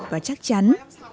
và chắc chắn